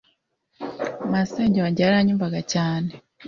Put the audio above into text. Masenge wange yaranyumvaga cyane